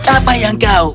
apa yang kau